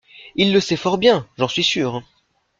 Il le sait fort bien, j’en suis sure.